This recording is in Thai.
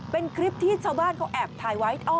เป็นคลิปที่ชาวบ้านเขาแอบถ่ายไว้